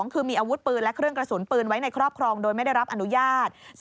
คือมีอาวุธปืนและเครื่องกระสุนปืนไว้ในครอบครองโดยไม่ได้รับอนุญาต